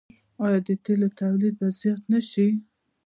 آیا د تیلو تولید به زیات نشي؟